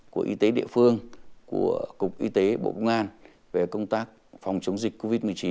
của y tế địa phương của cục y tế bộ công an về công tác phòng chống dịch covid một mươi chín